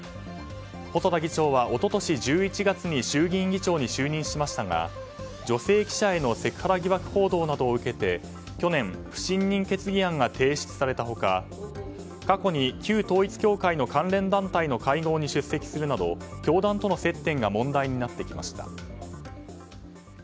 細田議長は一昨年１１月に衆議院議長に就任しましたが女性記者へのセクハラ疑惑報道などを受けて去年、不信任決議案が提出された他過去に、旧統一教会の関連団体の会合に出席するなど教団との接点が問題になってきました。